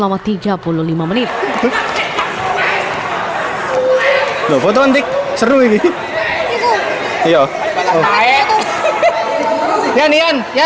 foto antik seru ini